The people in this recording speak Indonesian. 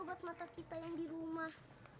kasih aja obat obatan kita yang di rumah